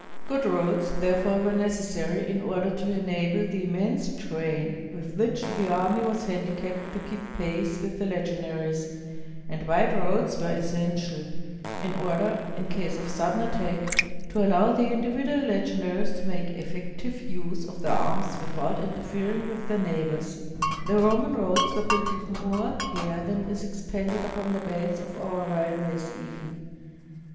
Good roads, 523 ROME therefore, were necessary in order to enable the im mense train with which the army was handicapped to keep pace with the legionaries, and wide roads were essential, in order, in case of sudden attack, to allow the individual legionaries to make effective use of their arms without interfering with their neighbors. The Roman roads were built with more care than is expended upon the beds of our railways even.